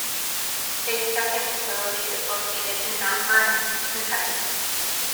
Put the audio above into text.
A second facility is located in Mount Vernon, Kentucky.